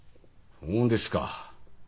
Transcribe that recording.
そうですか。